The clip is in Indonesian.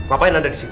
apa yang ada disini